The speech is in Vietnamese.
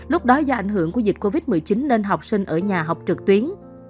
lúc đó do ảnh hưởng của dịch covid một mươi chín nên học sinh ở nhà học trực tuyến